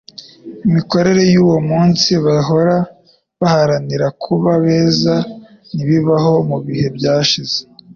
imikorere yuwo munsi. Bahora baharanira kuba beza. Ntibabaho mu bihe byashize. ”